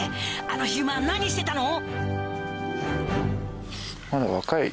あのヒグマ何してたの？